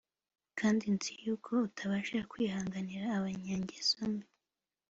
kandi nzi yuko utabasha kwihanganira abanyageso mbi,